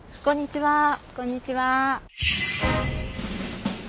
こんにちは。